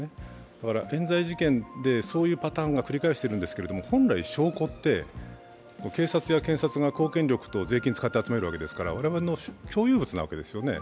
だからえん罪事件で、そういうパターンが繰り返してるんですけど本来、証拠って警察や検察が公権力と税金を使って集めるわけですから、我々の共有物なわけですよね。